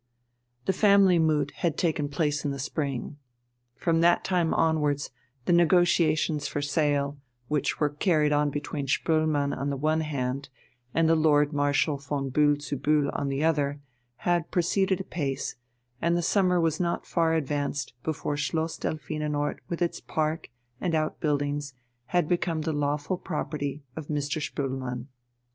The family moot had taken place in spring. From that time onwards the negotiations for sale, which were carried on between Spoelmann on the one hand and the Lord Marshal von Bühl zu Bühl on the other, had proceeded apace, and the summer was not far advanced before Schloss Delphinenort with its park and out buildings had become the lawful property of Mr. Spoelmann.